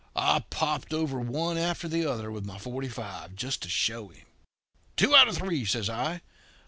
I popped over one after the other with my forty five, just to show him. 'Two out of three,' says I.